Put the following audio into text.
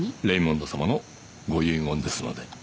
レイモンドさまのご遺言ですので。